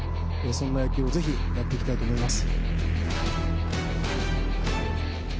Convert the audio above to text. そんな野球をぜひやっていきたいと思います。